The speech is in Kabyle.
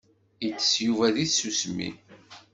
Itess Yuba deg tsusmi.